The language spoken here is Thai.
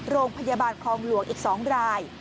โรงพยาบาลคลองหลวงอีก๒ราย